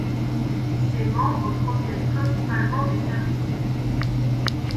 Ses membres proviennent principalement des services publics.